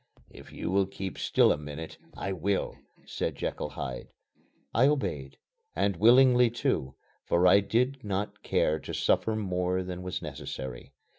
"If you will keep still a minute, I will," said Jekyll Hyde. I obeyed, and willingly too, for I did not care to suffer more than was necessary.